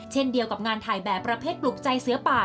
เช่นเดียวกับงานถ่ายแบบประเภทปลุกใจเสือป่า